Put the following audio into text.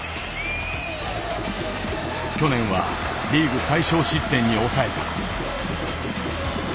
去年はリーグ最少失点に抑えた。